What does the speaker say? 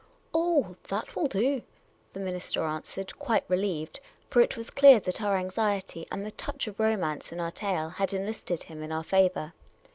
" Oh, that will do," the minister answered, quite relieved; for it was clear that our anxiety and the touch of romance in our tale had enlisted him in our favour.